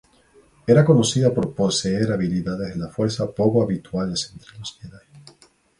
Era conocida por poseer habilidades de la Fuerza poco habituales entre los Jedi.